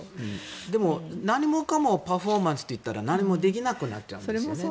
でも何もかもパフォーマンスといったら何もできなくなっちゃいますよね